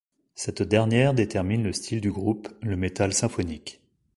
Cette dernière détermine le style du groupe, le metal symphonique.